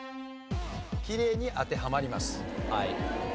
きれいに当てはまります。